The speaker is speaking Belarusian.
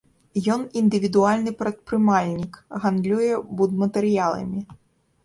Ён індывідуальны прадпрымальнік, гандлюе будматэрыяламі.